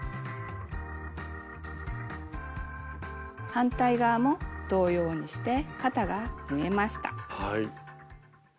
反対側も同様にして肩が縫えました。